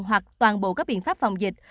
hoặc toàn bộ các biện pháp phòng dịch